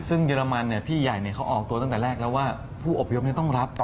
ซึ่งเยอรมันพี่ใหญ่เขาออกตัวตั้งแต่แรกแล้วว่าผู้อบพยพต้องรับ